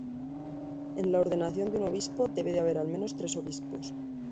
En la ordenación de un obispo debe de haber al menos tres obispos.